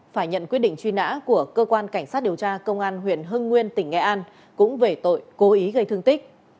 phải nhận quyết định truy nã của cơ quan cảnh sát điều tra công an huyện hưng nguyên tỉnh nghệ an cũng về tội cố ý gây thương tích